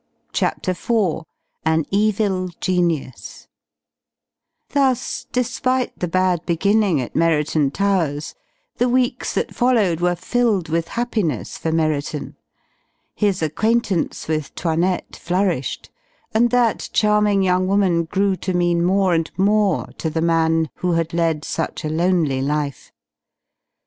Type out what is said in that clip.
CHAPTER IV AN EVIL GENIUS Thus, despite the bad beginning at Merriton Towers the weeks that followed were filled with happiness for Merriton. His acquaintance with 'Toinette flourished and that charming young woman grew to mean more and more to the man who had led such a lonely life.